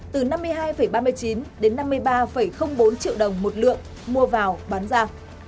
từ năm mươi hai ba mươi chín đến năm mươi ba bốn triệu đồng một lượng mua vào bán ra